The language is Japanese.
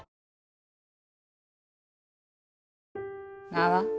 名は。